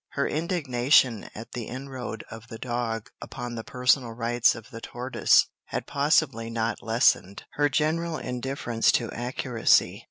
Her indignation at the inroad of the dog upon the personal rights of the tortoise had possibly not lessened her general indifference to accuracy.